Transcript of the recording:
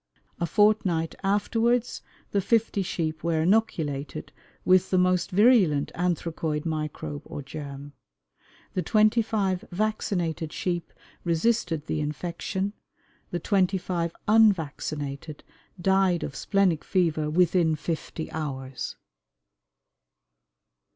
A fortnight afterwards the fifty sheep were inoculated with the most virulent anthracoid microbe (or germ). The twenty five vaccinated sheep resisted the infection, the twenty five unvaccinated died of splenic fever within fifty hours.